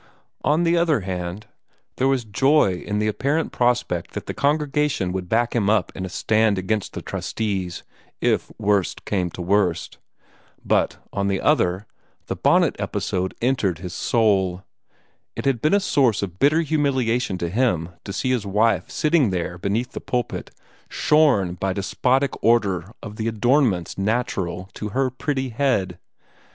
On the one hand, there was joy in the apparent prospect that the congregation would back him up in a stand against the trustees, if worst came to worst. But, on the other hand, the bonnet episode entered his soul. It had been a source of bitter humiliation to him to see his wife sitting there beneath the pulpit, shorn by despotic order of the adornments natural to her pretty head.